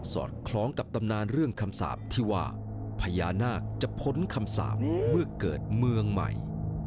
อดคล้องกับตำนานเรื่องคำสาปที่ว่าพญานาคจะพ้นคำสาปเมื่อเกิดเมืองใหม่